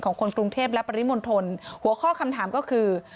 คนกรุงเทพและปริมณฑลหัวข้อคำถามก็คือ